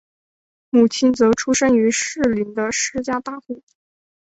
母亲则出身于士林的施家大户。